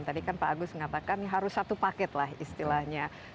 tadi kan pak agus mengatakan harus satu paket lah istilahnya